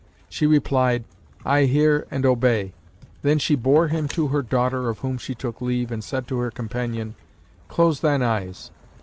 She replied, 'I hear and obey.' Then she bore him to her daughter of whom she took leave and said to her companion, 'Close thine eyes.'